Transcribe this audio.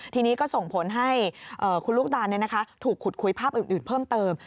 ทีนี้ก็ส่งผลให้คุณลูกตานถูกขุดคุยภาพอื่นเพิ่มเติม